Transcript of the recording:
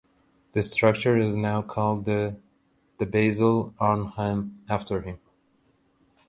The structure is now called the De Bazel–Arnhem after him.